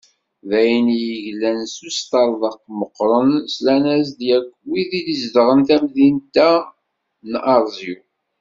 D ayen i d-yeglan s usṭerḍeq meqqren, slan-as-d yakk wid i izedɣen tamdint-a n Arezyu.